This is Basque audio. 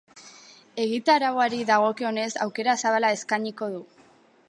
Egitarauari dagokionez, aukera zabala eskainiko du.